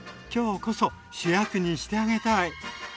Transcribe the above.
今日こそ主役にしてあげたい！